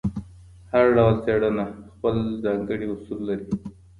هر ډول څېړنه خپل ځانګړي اصول لري.